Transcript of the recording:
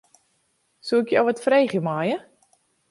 Soe ik jo wat freegje meie?